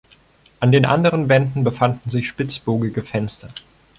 An den anderen Wänden befanden sich spitzbogige Fenster.